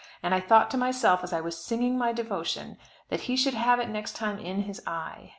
And I thought to myself as I was singing my devotion that he should have it next time in his eye.